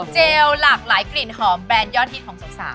เจลหลากหลายกลิ่นหอมแบรนด์ยอดฮิตของสาว